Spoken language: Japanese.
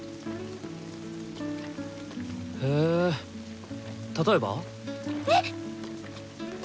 へえ例えば？えっ！